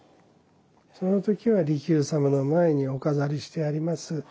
その時は利休様の前にお飾りしてあります